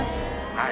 はい。